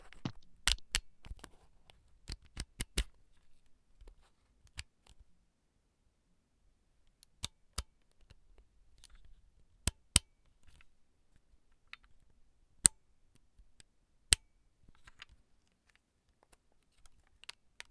এই উপলব্ধি-বলে প্রহ্লাদ সমাধিজনিত অবিচ্ছিন্ন পরমানন্দে নিমগ্ন রহিলেন।